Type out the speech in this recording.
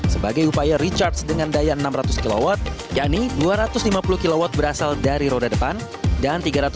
sebagai upaya recharge dengan daya enam ratus kw yakni dua ratus lima puluh kw berasal dari roda depan dan tiga ratus lima puluh